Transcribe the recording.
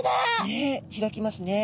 ねえ開きますね。